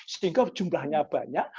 sehingga jumlahnya banyak